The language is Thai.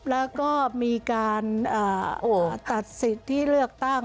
แล้วก็มีการตัดสิทธิเลือกตั้ง